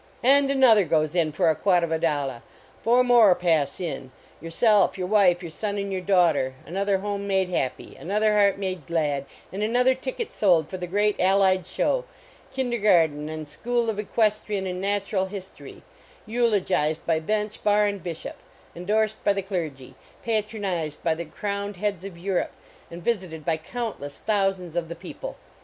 And another goes in for a quatovadollah ! Four more pass in! Yourself, your wife , your son and your daughter another home made happy, another heart made glad, and another ticket sold for the great allied show, kindergarten and school of equestration and natural history, eulogized by bench, bar and bishop, endorsed by the clergy, patronized by the crowned heads of Europe, and visited by countless thousands of the people